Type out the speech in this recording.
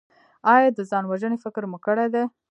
ایا د ځان وژنې فکر مو کړی دی؟